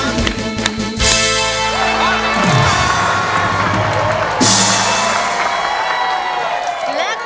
ร้องได้